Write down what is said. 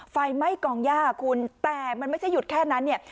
ไฟไหม้กองย่าคุณแต่มันไม่ใช่หยุดแค่นั้นเนี่ย